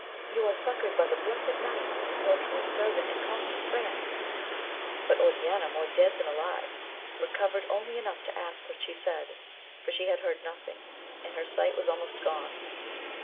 you are suc coured by the blessed knight, your true servant and constant friend ! but Oriana more dead than alive, recovered only enough to ask what she said, for she had heard nothing, and her sight was almost gone.